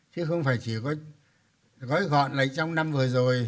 chứ không phải chỉ gói gọn lấy trong năm vừa rồi